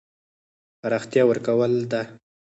پراختیا ورکول ده.